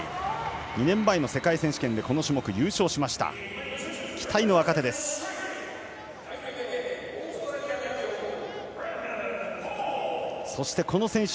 ２年前、世界選手権この種目で優勝した期待の若手。